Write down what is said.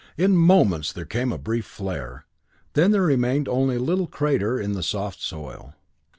In moments there came a brief flare, then there remained only a little crater in the soft soil.